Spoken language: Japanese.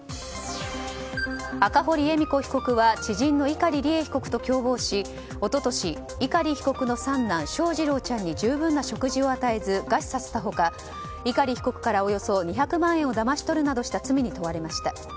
赤堀恵美子被告は知人の碇利恵被告と共謀し一昨年、碇被告の三男・翔士郎ちゃんに十分な食事を与えず餓死させた他碇被告から、およそ２００万円をだまし取るなどした罪に問われました。